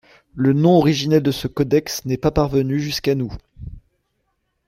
Le nom originel de ce codex n’est pas parvenu jusqu’à nous.